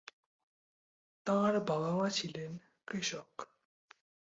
তাঁর বাবা-মা ছিলেন কৃষক।